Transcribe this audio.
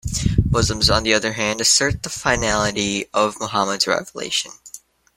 Muslims, on the other hand, assert the finality of Muhammad's revelation.